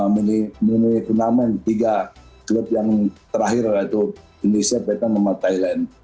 mini mini mini tiga klub yang terakhir yaitu indonesia vietnam thailand